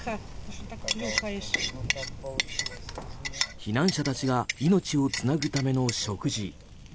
避難者たちが命をつなぐための食事。